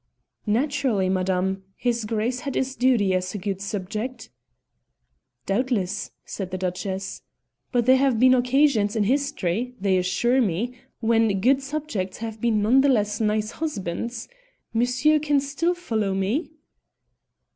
"Naturally, madame; his Grace had his duty as a good subject." "Doubtless," said the Duchess; "but there have been occasions in history, they assure me, when good subjects have been none the less nice husbands. Monsieur can still follow me?"